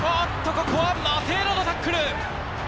ここはマテーラのタックル！